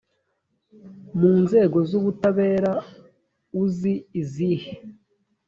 mu nzego z ubutabera uzi izihe